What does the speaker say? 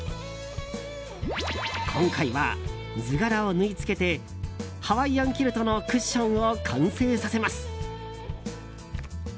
今回は、図柄を縫い付けてハワイアンキルトのクッションを完成させます。